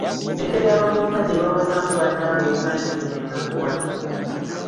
Engeri abavubuka gye bawasaamu bannaabwe ensangi zino enakuwaza.